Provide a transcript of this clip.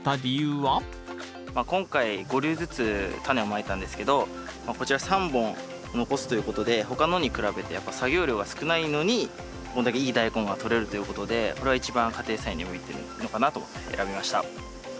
今回５粒ずつタネをまいたんですけどこちら３本残すということで他のに比べてやっぱ作業量が少ないのにこんだけいいダイコンがとれるということでこれが一番家庭菜園に向いてるのかなと思って選びました。